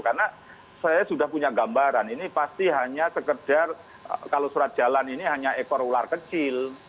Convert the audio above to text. karena saya sudah punya gambaran ini pasti hanya sekedar kalau surat jalan ini hanya ekor ular kecil